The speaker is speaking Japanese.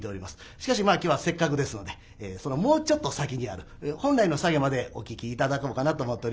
しかしまあ今日はせっかくですのでそのもうちょっと先にある本来のサゲまでお聴き頂こうかなと思っとります。